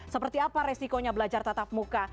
seperti apa resikonya belajar tatap muka